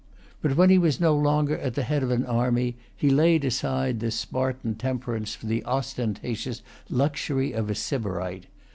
But when he was no longer at the head of an army, he laid aside this Spartan temperance for the ostentatious luxury of a Sybarite.